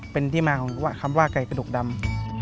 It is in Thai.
เป็นที่มาของคำว่าไก่กระดกดำ